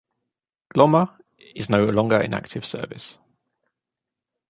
"Glomma" is no longer in active service.